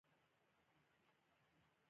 آه خدایه، کاشکې اوس د خپلې مینې په غېږ کې وای.